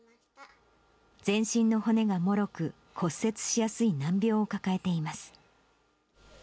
全身の骨がもろく、骨折しやすい難病を抱えています。